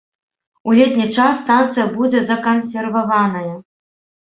У летні час станцыя будзе закансерваваная.